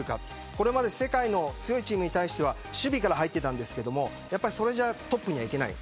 これまで世界の強いチームに対しては守備から入っていましたがそれではトップにいけない。